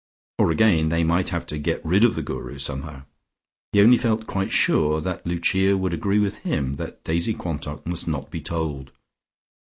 Or again they might have to get rid of the Guru somehow. He only felt quite sure that Lucia would agree with him that Daisy Quantock must not be told.